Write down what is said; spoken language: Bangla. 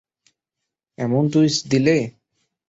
এমন টুইস্ট দিলে।